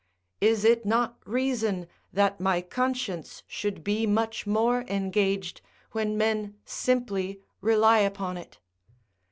Is it not reason that my conscience should be much more engaged when men simply rely upon it?